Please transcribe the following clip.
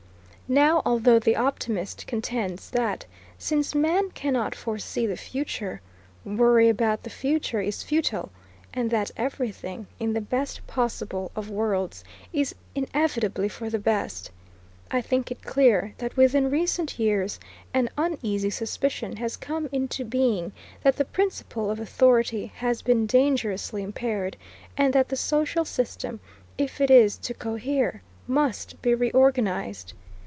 Now, although the optimist contends that, since man cannot foresee the future, worry about the future is futile, and that everything, in the best possible of worlds, is inevitably for the best, I think it clear that within recent years an uneasy suspicion has come into being that the principle of authority has been dangerously impaired, and that the social system, if it is to cohere, must be reorganized.